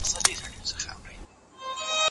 دا یو داسې اثر دی چې د هر پوه انسان لپاره ګټور دی.